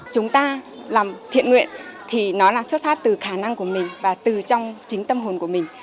chúng ta làm thiện nguyện thì nó là xuất phát từ khả năng của mình và từ trong chính tâm hồn của mình